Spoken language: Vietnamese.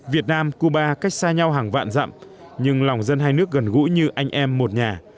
việt nam cuba cách xa nhau hàng vạn rậm nhưng lòng dân hai nước gần gũi như anh em một nhà